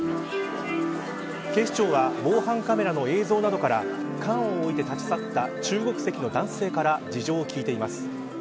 警視庁は防犯カメラの映像などから缶を置いて立ち去った中国籍の男性から事情を聴いています。